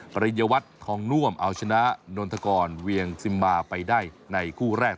ปริญญวัตรทองน่วมเอาชนะนนทกรเวียงซิมมาไปได้ในคู่แรก